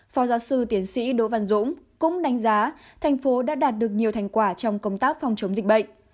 phó giáo sư tiến sĩ đỗ văn dũng cũng đánh giá thành phố đã đạt được nhiều thành quả trong công tác phòng chống dịch bệnh